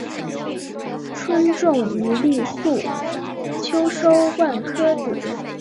春种一粒粟，秋收万颗子。